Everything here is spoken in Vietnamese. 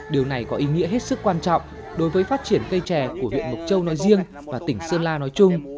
điều này có ý nghĩa hết sức quan trọng đối với phát triển cây trà của viện mộc châu nội riêng và tỉnh sơn la nói chung